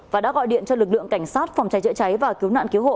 và đã gọi điện cho lực lượng cảnh sát phòng cháy chữa cháy và cứu nạn cứu hộ